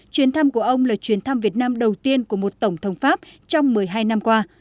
chuyến thăm của ông là chuyến thăm việt nam đầu tiên của một tổng thống pháp trong một mươi hai năm qua